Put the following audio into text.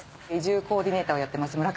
移住コーディネーターをやってます